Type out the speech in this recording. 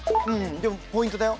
でもポイントだよ。